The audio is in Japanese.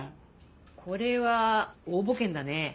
これは応募券だね。